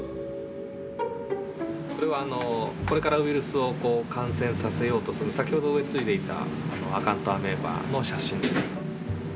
これはこれからウイルスを感染させようとする先ほど植えついでいたアカウントアメーバの写真です。